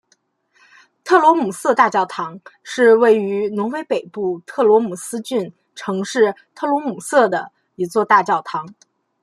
特罗姆瑟大教堂是位于挪威北部特罗姆斯郡城市特罗姆瑟的一座大教堂。